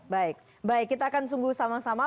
baik baik kita akan sungguh sama sama